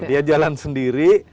dia jalan sendiri